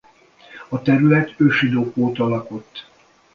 A terület ősidők óta lakott.